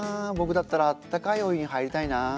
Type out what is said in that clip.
僕だったらあったかいお湯に入りたいな。